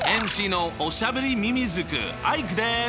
ＭＣのおしゃべりみみずくアイクです！